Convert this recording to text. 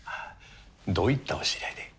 どういったお知り合いで？